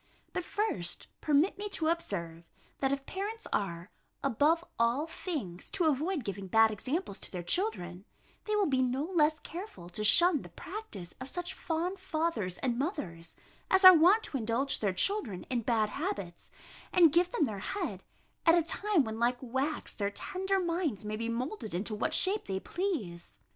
But first, permit me to observe, that if parents are, above all things, to avoid giving bad examples to their children, they will be no less careful to shun the practice of such fond fathers and mothers, as are wont to indulge their children in bad habits, and give them their head, at a time when, like wax, their tender minds may be moulded into what shape they please.